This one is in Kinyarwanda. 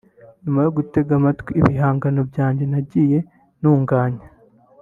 nyuma yogutega amatwi ibihangano byanjye nagiye ntunganya”